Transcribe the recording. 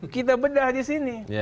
kita bedah di sini